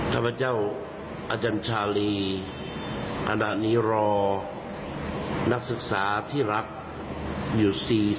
ข้าพเจ้าอาจารย์ชาลีขณะนี้รอนักศึกษาที่รักอยู่๔๐